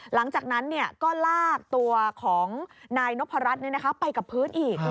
หลังจากนั้นก็ลากตัวของนายนพรัชไปกับพื้นอีก